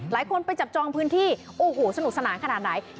ไปจับจองพื้นที่โอ้โหสนุกสนานขนาดไหน